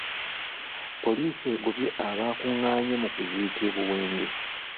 Poliisi egobye abakuղղaanye mu kuziika e Buwenge.